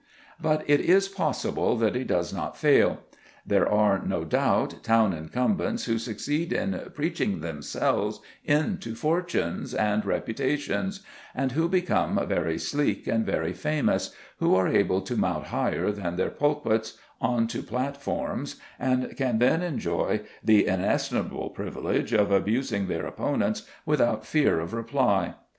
But it is possible that he does not fail. There are, no doubt, town incumbents who succeed in preaching themselves into fortunes and reputations, and who become very sleek and very famous, who are able to mount higher than their pulpits, on to platforms, and can then enjoy the inestimable privilege of abusing their opponents without fear of reply.